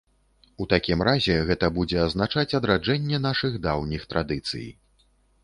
У такім разе, гэта будзе азначаць адраджэнне нашых даўніх традыцый.